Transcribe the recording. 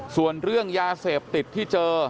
ส่วนเรื่องยาเสพติดที่เจอ